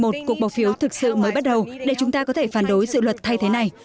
đến tận tháng một mươi một cuộc bỏ phiếu thực sự mới bắt đầu để chúng ta có thể phản đối dự luật thay thế này